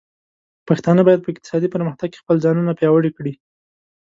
پښتانه بايد په اقتصادي پرمختګ کې خپل ځانونه پياوړي کړي.